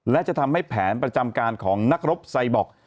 และจะทำให้แผนประจำการของนักรบไซบอก